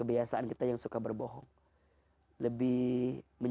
maar apabila hujan dropun ehem